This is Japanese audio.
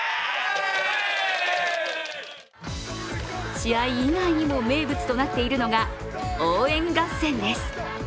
試合以外にも名物となっているのが応援合戦です。